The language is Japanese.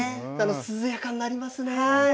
涼やかになりますね。